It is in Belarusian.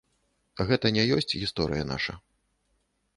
Гэта не ёсць гісторыя наша.